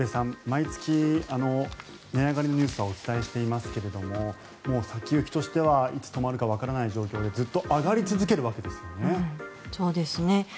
毎月、値上がりのニュースはお伝えしていますけれど先行きとしてはいつ止まるかわからない状況でずっと上がり続けるわけですよね。